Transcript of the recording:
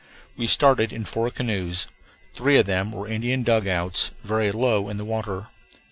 We started in four canoes. Three of them were Indian dugouts, very low in the water.